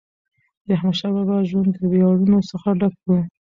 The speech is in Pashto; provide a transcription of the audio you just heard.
د احمدشاه بابا ژوند د ویاړونو څخه ډک و.